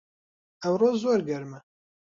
ئەمڕۆ زۆر گەرمە